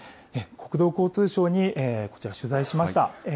国土交通省にこちら、取材しました。